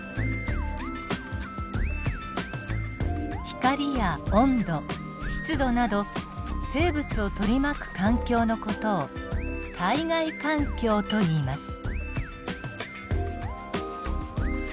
光や温度湿度など生物を取り巻く環境の事を体外環境といいます。